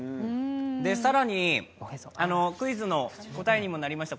更にクイズの答えにもなりました